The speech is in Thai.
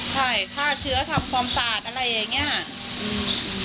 ใช่ฆ่าเชื้อทำความสะอาดอะไรอย่างนี้ค่ะ